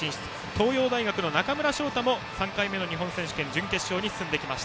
東洋大学の中村彰太も３回目の日本選手権準決勝に進みます。